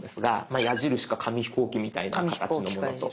まあ矢印か紙飛行機みたいな形のものと。